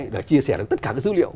để chia sẻ được tất cả cái dữ liệu